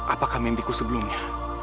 apakah mimpiku sebelumnya